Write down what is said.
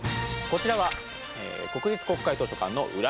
こちらは国立国会図書館の裏側。